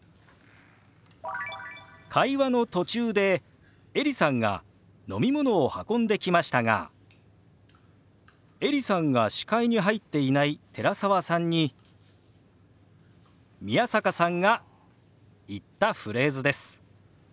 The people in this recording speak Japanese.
会話の途中でエリさんが飲み物を運んできましたがエリさんが視界に入っていない寺澤さんに宮坂さんが言ったフレーズです。